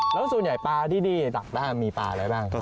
แล้วส่วนใหญ่ปลาที่ดีดักปลามีปลาอะไรบ้างครับ